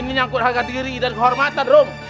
ini nyangkut harga diri dan kehormatan rom